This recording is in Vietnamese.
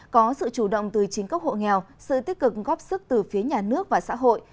có sự chủ động từ chính các hộ nghèo sự tích cực góp sức từ phía nhà nước và xã hội